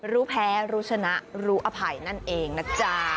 รู้แพ้รู้ชนะรู้อภัยนั่นเองนะจ๊ะ